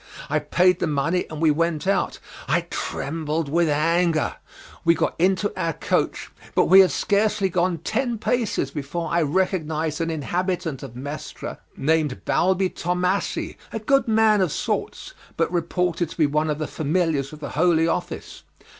I paid the money and we went out. I trembled with anger. We got into our coach, but we had scarcely gone ten paces before I recognised an inhabitant of Mestre named Balbi Tommasi, a good sort of man; but reported to be one of the familiars of the Holy Office.